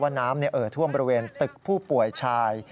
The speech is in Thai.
ว่าน้ำเนี่ยเอ่อท่วมบริเวณตึกผู้ป่วยชาย